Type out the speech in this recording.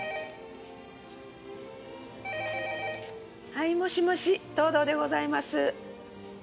はいもしもし藤堂でございます。